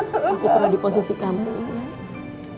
kamu tak bisaku pernah di posisi kamu ya